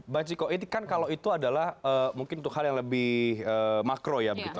bang ciko ini kan kalau itu adalah mungkin untuk hal yang lebih makro ya begitu